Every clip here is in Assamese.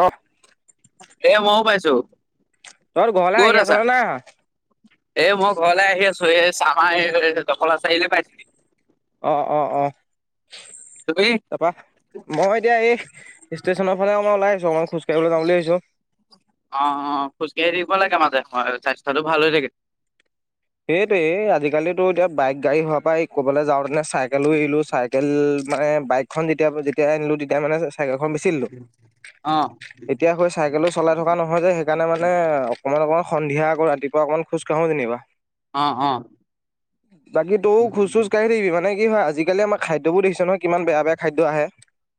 আহ এ মইয়ো পাইছো। তই ঘৰলে ক'ত আহি আছা আছ না এ মই ঘৰলৈ আহি আছো এই চামাৰ এই দখলা চাৰিআলি পাইছোঁহি অ অ অ তুমি তাৰপা মই এতিয়া এই ষ্টেচনৰ ফালে মই নাই যোৱা মই খোজকাঢ়িবলৈ যাম বুলি আহিছোঁ। অ অ খোজকাঢ়ি থাকিব লাগে মাজে হয় স্বাস্থ্যটো ভাল হৈ থাকে। সেইটোৱেই আজি কালি এতিয়া বাইক গাড়ী হোৱাৰ পৰা ক'বলৈ যাওঁতেনে চাইকেলো এলো চাই হোটেল মানে বাইকখন যেতিয়া যেতিয়া আনিলোঁ তেতিয়া মানে চাইকেলখন উম বেছি দিলো উম এতিয়া হৈ চাইকেলো চলাই থকা নহয় যে সেইকাৰণে মানে অকণমান অকণমান সন্ধিয়া কৌ ৰাতিপুৱা অকনমান খোজ কাঢ়ো যেনিবা। অ অ বাকী তইও খোজ চোজ কঢ়ি থাকিবি মানে কি হয় আজি কালি আমাৰ খাদ্যবোৰ দেখিছে নহয় কিমান বেয়া বেয়া খাদ্য আহে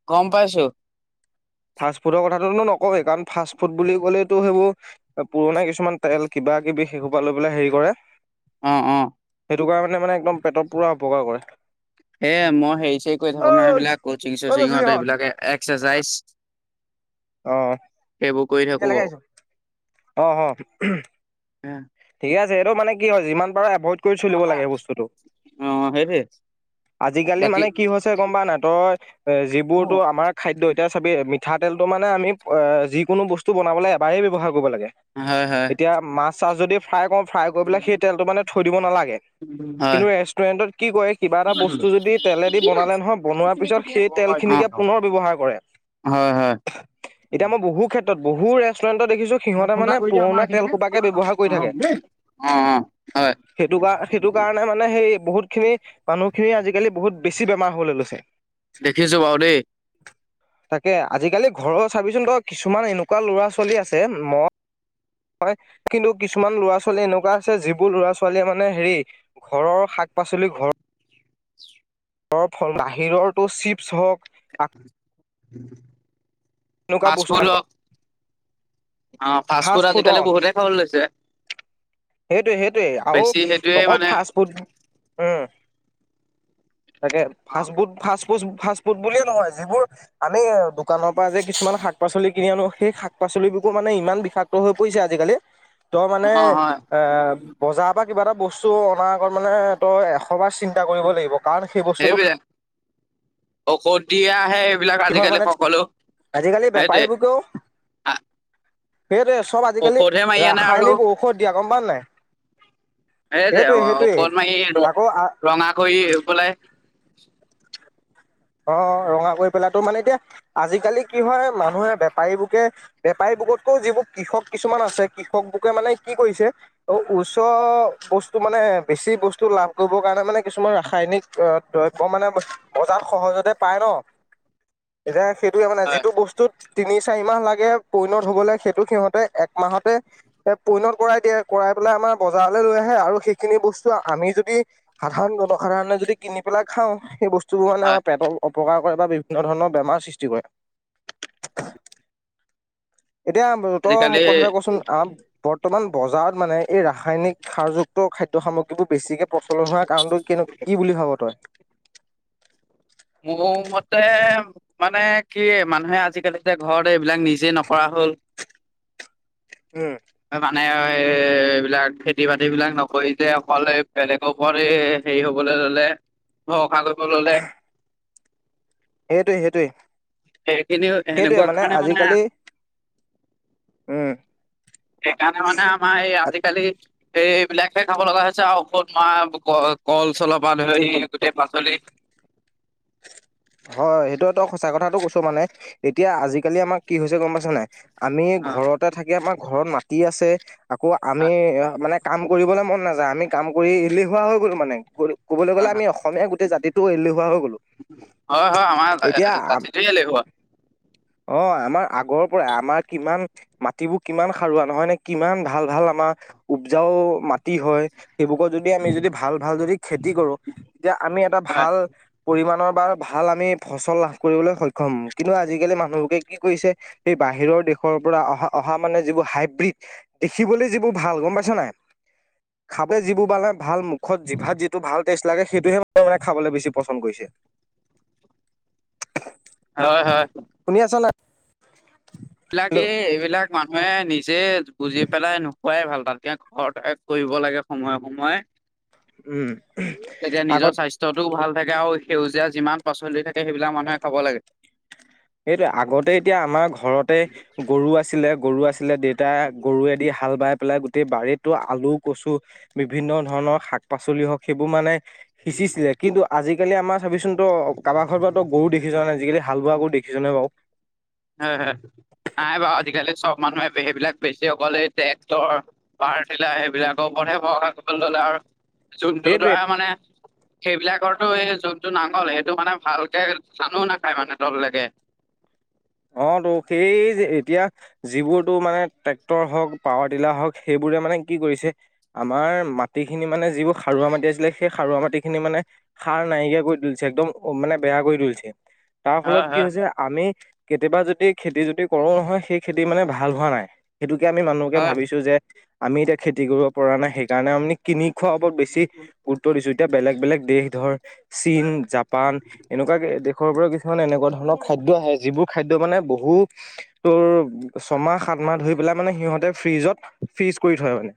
গম পাইছো। ফাষ্ট ফুডৰ কথাটো নকওৱেই কাৰণ ফাষ্ট ফুড বুলি কলেতো সেইবোৰ পুৰণা কিছুমান তেল কিবা কিবি বিষ এসোপা লৈ পেলাই হেৰি কৰে অ অ যোগাৰ মানে মানে একদম পেটৰ পোৰা উপকাৰ কৰে এ মই হেৰি চেৰি কৰি ঐ থাকো নহয় এইবিলাক কচিং ক'ত গৈছিলি চচিঙত এইবিলাক এক্সাৰচাইজ আহ সেইবোৰ কৰি থাকো একেলগে বাৰু আহিছো আহ আহ। ঠিকে আছে সেইটো মানে কি হয় যিমান পাৰো এভইড কৰি চলিব লাগে বস্তুটো অ সেইটোৱে আজিকালি বাকী মানে কি হৈছে গম পাই নাই তই এ যিবোৰতো হয় আমাৰ খাদ্য এতিয়া চাবেই মিঠাতেলটো মানে আমি যিকোনো বস্তু বনাবলৈ এবাৰেই ব্যৱহাৰ কৰোঁ। কৰিব লাগে হয় হয় এতিয়া মাছ চাছ যদি ফ্ৰাই কৰো ফ্ৰাই কৰি পেলাই সেই তেলটো মানে থৈ দিব নালাগে। কিন্তু ৰেষ্টুৰেন্টত কি কয় কিবা এটা বস্তু যদি তেলেদি বনালে নহয় বনোৱাৰ পিছত সেই তেল খিন অ খিনিকে পুনৰ ব্যৱহাৰ কৰে। হয় হয় এতিয়া মই বহু ক্ষেত্ৰত বহু ৰেষ্টুৰেণ্টত দেখিছো সিহঁতে ফোন এটা মানে কৰি দিয়া আমাৰ পুৰণা তেল এইখিনিকে সোপাকে ব্যৱহাৰ কৰি আহক থাকে। দেই অ অ হয় সেইটো কাৰ সেইটো কাৰণে মানে সেই বহুত খিনি মানুহখিনি আজিকালি বহুত বেছি বেমাৰ হ'বলৈ লৈছে দেখিছো বাৰু দেই তাকে আজিকালি ঘৰৰ চাবিচোন তই, কিছুমান এনেকুৱা ল'ৰা ছোৱালী আছে ম হয় কিন্তু কিছু কিছুমান ল'ৰা ছোৱালী এনেকুৱা আছে যিবোৰ ল'ৰা ছোৱালীয়ে মানে হেৰি ঘৰৰ শাক পাচলি ঘৰৰ ফল বাহিৰটো চিপছ হওঁক উম এনকা বস্ত অ ফাষ্ট ফুড আজিকালি বহুতে খাবলৈ লৈছে। সেইটোৱে সেইটোৱে আৰু বেছি সেইটোয়ে অকল মানে ফাষ্ট ফুড উম! তাকে অ ফাবুড ফ ফাষ্ট ফুড বুলিয়ে নহয় যিবোৰ আমি দোকানৰ পৰা যে কিছুমান শাক পাচলি কিনি আনো সেই শাক পাচলি পাচলিবকো মানে ইমান বিষাক্ত হৈ পৰিছে আজিকালি তই অ মানে হয় এ বজাৰৰ পৰা কিবা এটা বস্তু অনাৰ আগত মানে তই এ সবাৰ চিন্তা কৰিব লাগিব কাৰণ সেই বস্তুটো সেইবিলাক ঔষধ দিয়া আহে এইবিলাক খাই হয় আজিকালি মানে সকলো আজিকালি সেইটোৱে। বেপাৰীবোৰকেও সেইটোৱে চব আজিকালি ঔষধে মাৰি আনে আৰু ৰাসায়নিক ঔষধ দিয়া গম পাও নাই। সেই যে সেইটোৱে অ সেইটোৱে অকন মান আকৌ ৰঙা কৰি পেলাই অ ৰঙা কৰি পেলা তো মানে এতিয়া আজিকালি কি হয় মানুহে বেপাৰীবোৰ বেপাৰী বুকতকৈ যিবোৰ কৃষক কিছুমান আছে কৃষক বুকে মানে কি কৰিছে অ ওচৰ বস্তু মানে বেছি বস্তু লাভ কৰিবৰ কাৰণে মানে কিছুমান ৰাসায়নিক অ দ্ৰব্য মানে [unintelligible] বজাৰ সহজতে পাই ন এতিয়া সেইটোয়ে মানে হয় যিটো বস্তুত [unintelligible] তিনি চাৰিমাহ লাগে পইনত হবলৈ সেইটো সিহঁতে একমাহতে এ পইনত কৰাই দিয়ে কৰাই আমাৰ বজাৰলৈ লৈ আহে আৰু সেইখিনি বস্তু আমি যদি সাধাৰণ জনসাধাৰণে যদি কিনি পেলাই খাওঁ সেই বস্তুোৰ মানে হয় আমাৰ, পেটৰ অপকাৰ কৰে বা বিভিন্ন ধৰণৰ বেমাৰ সৃষ্টি কৰে। এতিয়া তই আজিকালি মোক কথা এটা কচো আ বৰ্তমান বজাৰত মানে এই ৰাসায়নিক খাৰযুক্ত খাদ্য সামগ্ৰীবোৰ বেছিকে প্ৰচলন হোৱাৰ কাৰণটো কে কি বুলি ভাব তই? মোৰমতে মানে কি মানুহে আজিকালি যে ঘতে এইবিলাক নিজে নকৰা হয়। অন [unintelligible] উম।। নাই এইবিলাক খেতি বাতি বিলাক নকৰি যে অকলে বেলেগৰ ও হেৰি হবলৈ ললে অ কাগজব ললে সেইটোৱে সেইটোৱে। সেইখিনি সেইটোৱে এনেকুৱা কাৰণে মানে। [unintelligible] আজিকালি উম সেইকাৰণে মানে আমাৰ এই আজিকালি, সেইবিলাকহে খাব লগা হৈছে আৰু ঔষধ মাহ কল চলপ আ গোটেই পাচলি [inaudible] হয় সেইটোটো সঁচা কথাটো কৈছো মানে এতিয়া আজিকালি আমাৰ কি হৈছে, গম পাইছ নাই? আমি অ ঘৰতে থাকি আমাৰ ঘৰত মাতি আছে। আকৌ আমি মানে কাম কৰিবলে মন, নাযায় আমি কাম কৰি এলেহুৱা হৈ গ'ল মানে, কবলৈ গলে আমি অসমীয়া গোটেই জাতিটো এলেহুৱা হৈ গলো। হয় হয় আমাৰ এতিয়া জাতিটো এলেহুৱা। অ আমাৰ আগৰ পৰা আমাৰ কিমান মাটিবোৰ কিমান সাৰুৱা নহয় নে কিমান ভাল ভাল আৰ উপজাও খেতি হয়। সেইবোৰত যদি আমি যদি ভাল ভাল যদি খেতি কৰোঁ, তেতিয়া আমি এটা হয় ভাল পৰিমাণৰ। ৰ ভাল আমি ফচল লাভ কৰিবলৈ সক্ষম কিন্তু আজিকালি মানুহ তেওঁলোকে কি কৰিছে এই বাহিৰৰ দেশৰ পৰা অহা অহা মানে যিবোৰ হাইব্ৰীড দেখিবলৈ যিবোৰ ভাল গম পাইছা নাই। খাব যিবোৰ মানে ভাল মুখত জিভাত যিটো ভাল টেষ্ট লাগে সেইটোহে মান মানে খাবলৈ বেছি পচন্দ কৰিছে। [inaudible] হয়, হয়, শুনি আছ না বিলাগে এইবিলাগ মা মে নিজে বুজি পেলাই নোখোৱাই ভাল তাতক ঘৰত কৰিব লাগে সময়ে সময়ে উম। তেতিয়া আগৰ নিজৰ স্বাস্থ্যটোও ভাল থাকে আৰু সেউজীয়া যিমান পাচলি থাকে সেইবিলাক মানুহে খাব লাগে সেইটো আগতে এতিয়া আমাৰ ঘৰতে গৰু আছিলে গৰু আছিলে দেউতা গৰুেদি হাল বাই পেলাই গোটেই বাৰী আলু কচু বিভিন্ন ধৰণৰ শাক পাচলি হওক সেইবোৰ মানে সিঁচিছিলে কিন্তু আজিকালি আমাৰ চাবিোন ত অ কাৰোবাৰ ঘৰ পৰা তো গৰু দেখিছোৱা নাই আজিকালি হাল বোৱা গৰু দেখি কেনে বও হয় হয় নাই বাৰু আজিকালি চব মানুহে সেইবিলাক বেছি অকলে ট্ৰেক্টৰ পিলা সেইবিলাক ওপৰতহে ভৰশা কৰিবলৈ ললে আৰু যোনটো সেইটোৱে ধৰা মানে সেইবিলাকৰ এই যোনটো নাঙল সেইটো মানে ভালকে জানো নাখায় মানে তললৈকে অ তো সেই যে এতিয়া যিবোৰতো মানে ট্ৰেক্টৰ হওক, পাৱাৰ টিলাৰ হওক, সেইবোৰে মানে নে কি কৰিছে আমাৰ মাটি খিনি মানে যিবোৰ সাৰুৱা মাটি আছিলে সেই সাৰুৱা মাটি খিনি মানে সাৰ নাইকিয়া কৰি তুলিছে একদম মানে বেয়া কৰি তুলিছে তাৰ ফলত হয় কি হয় হৈছে আমি কেতিয়াবা যদি খেতি যদি কৰোঁ নহয়, সেই খেতি মানে ভাল হোৱা নাই। সেইটোকে আমি মানুহকে হয় ভাবিছোঁ যে আমি এতিয়া খেতি কৰক। পৰা নাই সেইকাৰণে আমি কিনি খোৱাৰ ওপৰত বেছি গুৰুত্ব দিছো এতিয়া বেলেগ বেলেগ দেশ ধৰ চীন জাপান এনেকুৱা দেশৰ পৰা কিছুমান এনেকুৱা ধৰণৰ খাদ্য আহে যিবোৰ খাদ মানে বহু ছাহ মাহ ধ পাই মানে সি ফ্ৰিজত ছিজ কৰি থয় মানে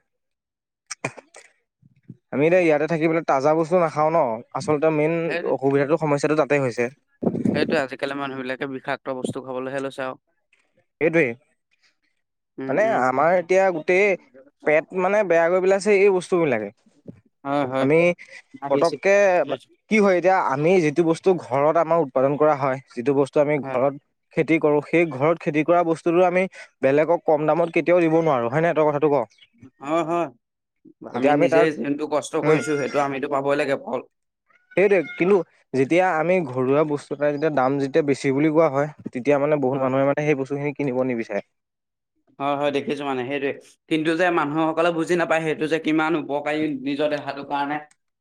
আমি দে ইয়াতে থাকিবলৈ তাজা বস্তু নাখাও ন? আচলতে মেইন সেই অসুবিধাটো সমস্যাটো তাতে হৈছে। সেইটোৱে আজিকালি মানুহ বিলাকে বিষাক্ত বস্তু খাবলৈহে লৈছে আৰু এইদি [unintelligible] [inaudible] মানে আমাৰ এতিয়া গোটেই পেট মানে বেয়া কৰি পেলাইছে এই বস্তু বিলাকে। হয় হয় আমি আহিছে পতককে হয় কি হয়, এতিয়া আমি যিটো বস্তু ঘৰত আমাৰ উৎপাদন কৰা হয় যিটো বস্তু আমি হয় ঘৰত খেতি কৰোঁ সেই ঘৰত খেতি কৰা বস্তুতো আমি বেলেগক কম দামত কেতিয়াও দিব নোৱাৰো হয়ে নহঁই কথাটো ক অ হয়। আমি এতিয়া তাৰ নিজেই যোনটো কষ্ট উম কৰিছো সেইটো আমিতো পাবই লাগে ফল। সেইটোৱে কিন্তু যেতিয়া আমি ঘৰুৱা বস্তু এটা যেতিয়া দাম যেতিয়া বেছি বুলি কোৱা হয়। তেতিয়া মানে বহুত হয় মানুহে মানে সেই বস্তুখিনি কিনিব নিবিচাৰে হয় হয় দেখিছো মানে সেইটোৱে, কিন্তু যে মানুহসকলে বুজি নাপায় সেইটো যে কিমান উপকাৰী - দেখাটো কাৰণে,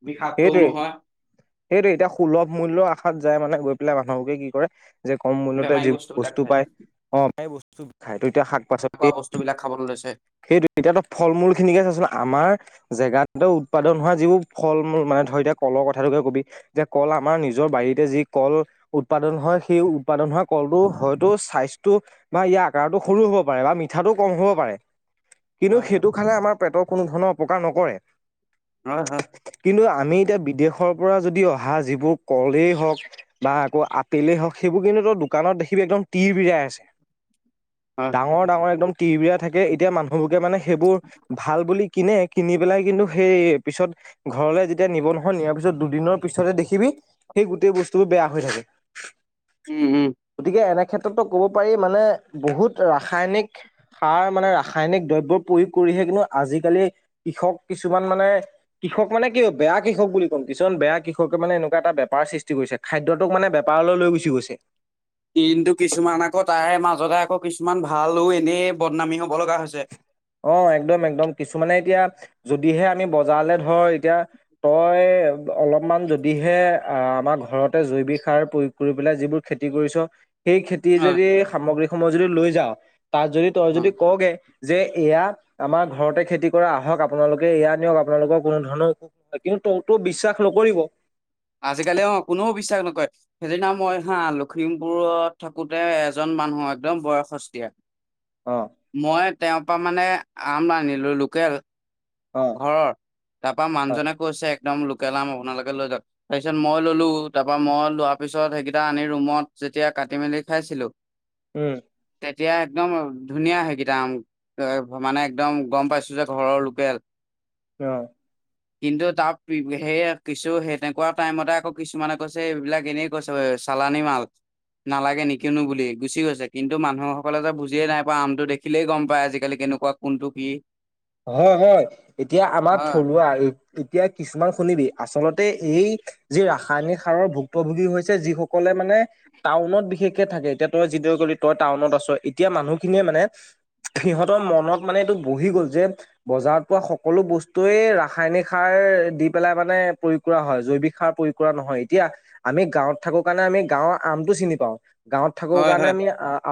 বিষাক্তও সেইটোৱেই নহয় সেইটোৱে এতিয়া সুলভ মূল্যৰ আশাত যায় মানে গৈ পেলাই মানুহকে কি কৰে, যে কম মূলয়তে বেমাৰী যিবোৰ বস্তুবিলাক বস্তু খাই পায় আহ সেই বস্তু খায় ত এতিয়া শাক - তেনেকুৱা পাচলি বস্তুবিলাক খাবলৈ লৈছে সেইটো এতিয়াতো ফল মূল খিনিকে আছেচোন আমাৰ জেগা উৎপাদন হোৱা যিবোৰ ফল মূল মানে ধৰ এতিয়া কল কথাটোকে কবি, যে কল আমাৰ নিজৰ বাৰীতে যি কল উৎপাদন হয় সেই উৎপাদন হোৱা কলটো হয়তো চাইছটো বা ইয়াৰ আকাৰতো সৰু হ'ব পাৰে বা মিঠাটো কম হ'ব পাৰে। কিন্তু হয় হয় সেইটো খালে আমাৰ পেটৰ কোনো ধৰণৰ অপকাৰ নকৰে। হয় হয় কিন্তু আমি এতিয়া বিদেশৰ পৰা যদি অহা যিবোৰ কলেই হওক বা আকৌ আপেলেই হওক সেইবোৰ কিন্তু দোকানত দেখিবি একদম তিৰবিৰাই আছে। [inaudible] হয় ডাঙৰ ডাঙৰ একদম টিউবিয় থাকে। তেতিয়া মানুহবকে মানে সেইবোৰ ভাল বুলি কিনে কিনি পেলাই কিন্তু সেই পিছত ঘৰলে যেতিয়া, এতিয়া নিবনুৱা নিয়াৰ পিছত দুদিনৰ পিছতে দেখিবি সেই গোটেই বস্তুবোৰ বেয়া হৈ থাকে। উম উম গতিকে এনে ক্ষেত্ৰতো ক'ব পাৰি মানে বহুত ৰাসায়নিক সাৰ মানে ৰা- ৰাসায়নিক দ্ৰব্য প্ৰয়োগ কৰিহে কিন্তু আজিকালি কৃষক কিছুমান মানে কৃষক মানে কি বেয়া কৃষক বুলি ক'ম। কিছুমান বেয়া কৃষকে মানে এনেকুৱা এটা বেপাৰ সৃষ্টি কৰিছে, খাদ্যটোক মানে বেপাৰলৈ লৈ গুচি গৈছে। যতে আকৌ কিছুমান ভালো এনেই বদনামী হব লগা হৈছে। অ একদম একদম কিছুমানে এতিয়া যদিহে আমি বজাৰলে ধৰ এতিয়া তই। অলপ মান যদিহে আ আমাৰ ঘৰত জৈৱিক সাৰ প্ৰয়োগ কৰি পেলাই যিবোৰ খেতি কৰিছো সেই খেতি হয় যদি সামগ্ৰীক সময় যদি লৈ যাও তাত যদি তই অ যদি কও গে যে এয়া আমাৰ ঘৰতে খেতি কৰা আহক আপোনালোকে এয়া নিয়ক আপোনালোকৰ কোনো ধৰণৰ অসুশ নহয়। কিন্তু বিশ্বাস নকৰিব। আজিকালি অ কোনেও বিশ্বাস নকৰে সেইদিনা মই হা লখিমপুৰত থাকোতে এজন। মানুহ একদম বয়সস্থীয়া। অ মই তেওঁৰ পৰা মানে আম আনিলোঁ লোকেল। অ ঘৰত তাৰপা হয় মানুহজনে কৈছে একদম লোকেল আম আপোনালোকে লৈ যাওঁক, তাৰপিছত মই ললো তাৰ পৰা মই লোৱাৰ পিছত সেইকেইটা আনি ৰুমত। যেতিয়া কাটি মেলি খাইছিলো? উম এতিয়া একদম ধুনীয়া সেইকেইটা আম মানে একদম গম পাইছো যে ঘৰৰ লোকেল। আহ কিন্তু তাত সেইয়ে কিছু সেই তেনেকুৱা টাইমতে আকৌ কিছুমানে কৈছে এইবিলাক এনেই কৈছে। চালানি মাল। নালাগে নিকিনো বুলি গুচি গৈছে কিন্তু মানুহসকলে যে বুজিয়ে নাই পায় আমটো দেখিলেই গম পায় আজিকালি? কেনেকুৱা কোনটো কি। হয় হয় এতিয়া আমাৰ হয় থলুৱা এতিয়া কিছুমান শুনিবি আচলত- তে এই যি ৰাসায়নিক সাৰৰ ভুক্তভোগী হৈছে যিসকলে মানে টাউনত বিশেষকে থাক- কে এতিয়া তই যিদৰে গলি তই টাউনত আছ এতিয়া মানুহখিনিয়ে মানে। সিহঁতৰ মনত মানে এইটো বহি গ'ল যে বজাৰত পোৱা সকলো বস্তুৱয়েই ৰাসায়নিক সাৰ দি পেলাই মানে প্ৰয়োগ কৰা হয় জৈৱিক সাৰ প্ৰয়োগ নহয় এতিয়া আমি গাঁৱত থাকো কাৰণে আমি গাঁৱৰ আমটো চিনি পাওঁ। গাঁৱত থাকো হয় কাৰণে হয় আমি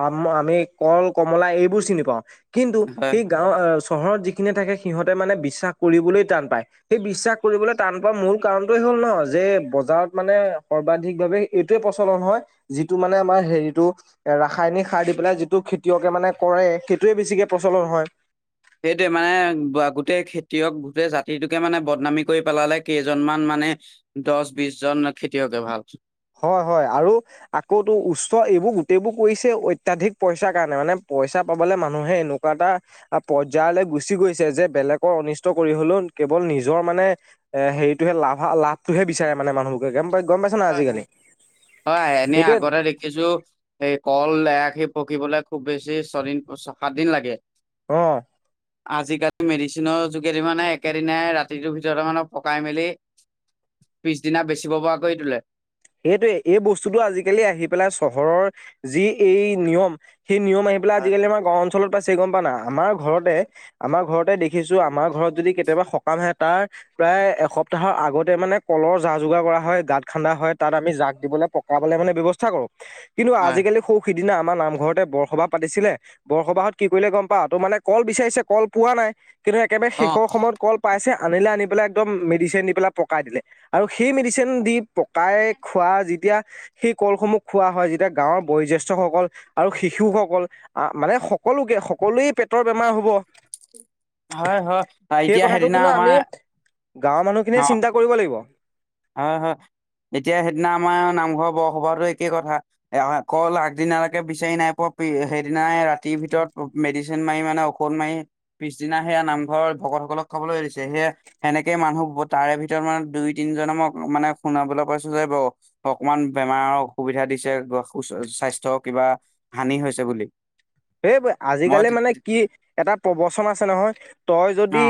আম আমি কল, কমলা এইবোৰ চিনি পাওঁ। কিন্তু হয়। সেই গাঁও আহ চহৰত যি- খিনি থাকে সিহঁতে মানে বিশ্বাস কৰিবলৈ টান পায়। সেই বিশ্বাস কৰিবলৈ টান পোৱাৰ মূল কাৰণটোয়ে হ'ল ন যে বজাৰত মানে সৰ্বাধিক ভাৱে এইটয়ে প্ৰচলন হয় যিটো মানে আমাৰ হেৰিতটো এ ৰাসায়নিক সাৰ দি পেলাই যিটো খেতিয়কে মানে কৰে সেইটোৱে বেছিকে প্ৰচলন হয়। সেই মানে গোটেই খেতিয়ক গোটেই জাতিটোকে মানে বদনামী কৰি পেলালে কেইজনমান মানে। দছ বিশ জন খেতিয়কে ভাল। হয় হয় আৰু আকৌটো উচ্চ এইবোৰ গোটেইবোৰ কৰিছে অত্যাধিক পইচাৰ কাৰণে মানে পইচা পাবলে মানুহে এনেকুৱা এটা পৰ্যায়লৈ গুচি গৈছে যে বেলেগৰ অনিষ্ট কৰি হলেও কেৱল নিজৰ মানে এ হেৰিটোহে লাভ লাভটোহে বিচাৰে মানে মানুহবোৰকে গম পাই গম পাইছ নাই হয় আজিকালি। হয় হয় এনে সেইটোৱে আগতে দেখিছো এই কল এৰাশি পকিবলৈ। খুব বেছি ছয়দিন সাত দিন লাগে। আহ আজিকালি মেডিচিনৰ যোগেদি মানে একেদিনাই ৰাতিটোৰ ভিতৰতে মানে পকাই মেলি পিছদিনা বেচিব পৰা কৰি তোলে। সেইটোৱে এই বস্তুটো আজিকালি আহি পেলাই চহৰৰ যি এই নিয়ম। সেই নিয়ম আহি পেলাই হয় আজিকালি আমাৰ গাঁৱৰ অঞ্চলত পাছ- ছে গম পা না আমাৰ ঘৰতে আমাৰ ঘৰতে দেখিছো আমাৰ ঘৰত যদি কেতিয়াবা সকাম আহে তাৰ। প্ৰায় এসপ্তাহৰ আগতে মানে কলৰ যা যোগাৰ কৰা হয় গাঁত খান্দা হয়। তাত আমি জাক দিবলৈ পকাবলে মানে ব্যৱস্থা কৰো কিন্তু হয় আজিকালি সৌ। সিদিনা আমাৰ নামঘৰতে বৰসবাহ পাতিছিলে। বৰসবাহত কি কৰিলে গম পা তোৰ মানে কল বিচাৰিছে কল পোৱা নাই কিন্তু একেবাৰে অ শেষৰ সময়ত কল পাইছে আনিলে আনি পেলাই একদম মেডিচিন দি পেলাই পকাই দিলে আৰু সেই মেডিচিন দি পকাই খোৱা যেতিয়া সেই কলসমূহ খোৱা হয় যেতিয়া গাঁৱৰ বয়োজ্যেষ্ঠসকল আৰু শিশুসকল আ মানে সকলোকে -সকলোৱে পেটৰ বেমাৰ হব হয় -হয় সেই এতিয়া কথাটো সেইদিনা কিন্তু আমাৰ আমি গাঁৱৰ মানুহখিনিয়ে চিন্তা কৰিব লাগিব। অ', -হা এতিয়া সেইদিনা আমাৰ নামঘৰৰ বৰসভাতো একেই কথা কল আগদিনালৈকে বিচাৰি নাই পোৱা সেইদিনাই ৰাতিৰ ভিতৰত মেডিচিন মাৰি মানে ঔষধ মাৰি পিছদিনা সেয়া নামঘৰ ভ সকলক খাবলৈ দিছে সেয়ে সেনেকে মানহ তাৰে ভিতৰত মানে দুই - তিন ক মানে শুনাবলৈ পাইছো যে ব অকনমান বেমাৰৰ অসুবিধা দিছে স্বাস্থ্য স্বাস্থ্য কিবা হানি হৈছে বুলি। এই মই আজিকালি তে- মানে কি এটা প্ৰবচন আছে নহয় তই যদি অ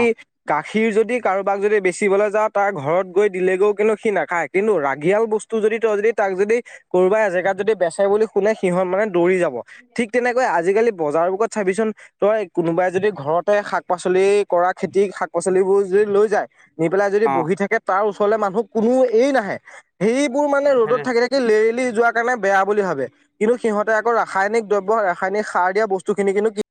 কাক খিৰ যদি কাৰোবাক যদি বেচিবলৈ যাওঁ তাৰ ঘৰত গৈ দিলেগৈও কিন্তু সি নাখায় কিন্তু ৰাগিয়াল বস্তু যদি তই যদি তাক যদি কৰবা এজেগাত যদি বেচে বুলি শুনে সিহঁত মানে দৌৰি যাব ঠিক তেনেকৈ আজিকালি বজাৰৰ বোকত চাবিচোন তই কোনোবাই যদি ঘৰতে শাক- পাচলি কৰা খেতি শাক - পাচলি [unintelligible] যদি লৈ যায় নি পেলাই যদি অ বহি থাকে তাৰ ওচৰলে মানুহ কোনো এই নাহে সেই বোৰ মানে সেইটোৱে ৰ'দত থাকি - থাকি লেৰেলি যোৱা কাৰণে বেয়া বুলি ভাবে কিন্তু সিহঁতে আকৌ ৰাসায়নিক দ্ৰব্য ৰাসায়নিক সাৰ দিয়া বস্তু খিনি কিন্তু